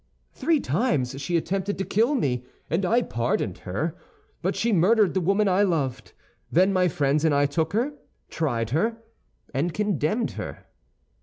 "Three times she attempted to kill me, and I pardoned her; but she murdered the woman I loved. Then my friends and I took her, tried her, and condemned her."